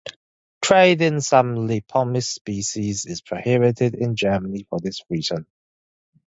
Trade in some "Lepomis" species is prohibited in Germany for this reason.